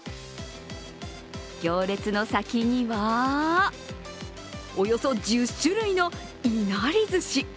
行列の先には、およそ１０種類のいなりずし。